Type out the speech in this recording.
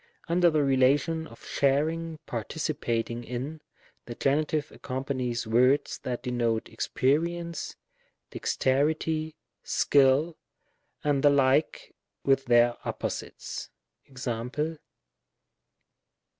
Under the relation of sharing, participating in, the Gen. accompanies words that denote experience, dexterity, skill, and the like, with their opposites. Mc.